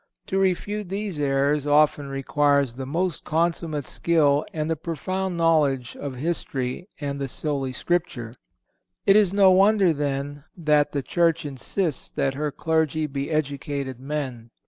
To refute these errors often requires the most consummate skill and a profound knowledge of history and the Holy Scripture. It is no wonder, then, that the Church insists that her clergy be educated men.